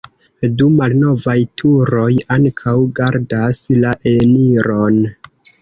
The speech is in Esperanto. Du malnovaj turoj ankaŭ gardas la eniron.